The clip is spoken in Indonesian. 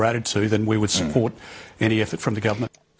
maka kami akan mendukung apapun usaha dari pemerintah